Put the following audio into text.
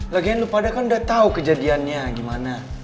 lagian lo pada kan udah tau kejadiannya gimana